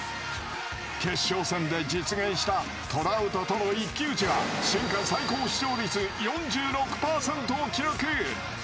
決勝戦で実現したトラウトとの一騎打ちは瞬間最高視聴率４６％を記録。